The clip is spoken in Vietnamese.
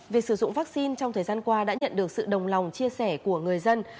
việc sử dụng vaccine trong thời gian qua đã nhận được sự đồng lòng chia sẻ của người dân